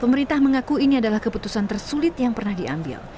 pemerintah mengaku ini adalah keputusan tersulit yang pernah diambil